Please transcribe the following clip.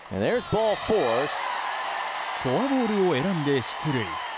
フォアボールを選んで出塁。